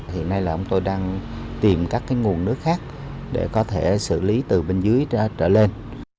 hiện nay là ông tôi đang tìm các nguồn nước khác để có thể xử lý từ bên dưới trở lên